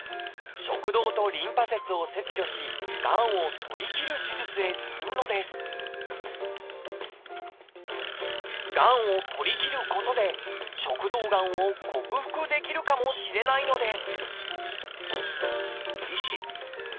食道とリンパ節を切除しがんを取り切る手術へ進むのですがんを取り切ることで食道がんを克服できるかもしれないのです